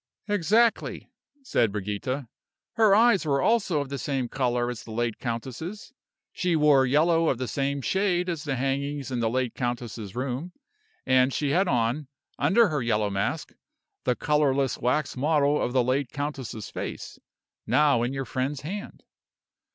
"Exactly," said Brigida. "Her eyes were also of the same color as the late countess's; she wore yellow of the same shade as the hangings in the late countess's room, and she had on, under her yellow mask, the colorless wax model of the late countess's face, now in your friend's hand.